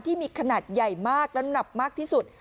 ที่มีขนาดใหญ่มากและหนักมากที่สุด